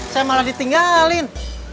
saya malah ditinggalin